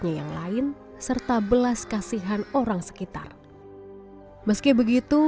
nazila selalu mengalami penyakit tersebut